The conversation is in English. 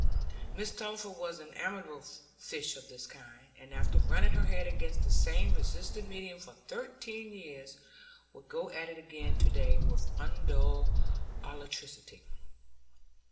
Mrs Tulliver was an amiable fish of this kind, and after running her head against the same resisting medium for thirteen years would go at it again to day with undulled alacrity.